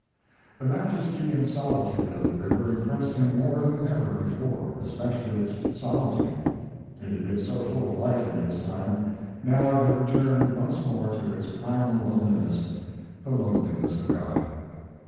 ] The majesty and solitude of the river impressed him more than ever before, especially its solitude. It had been so full of life in his time; now it had returned once more to its primal loneliness the loneliness of God.